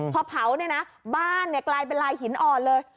พอเผาเนี่ยนะบ้านเนี่ยกลายเป็นลายหินอ่อนเลย